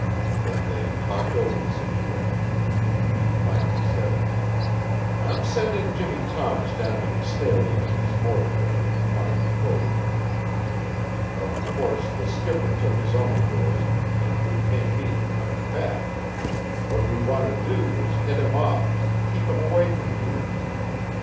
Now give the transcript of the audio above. Then they talked over the situation, and Pete finally said: "I'm sending Jimmie Thomas down to Castalia in his motor dory to find Code. Of course, the skipper took his own dory, and we may meet him coming back. What we want to do is head him off an' keep him away from here.